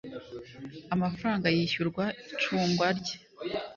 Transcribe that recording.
amafaranga yishyurwa icungwa rye